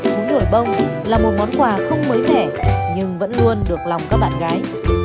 món uổi bông là một món quà không mới mẻ nhưng vẫn luôn được lòng các bạn gái